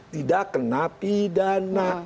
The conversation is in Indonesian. tidak kena pidana